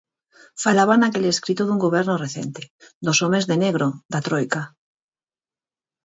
Falaban naquel escrito dun goberno recente, dos homes de negro da Troika.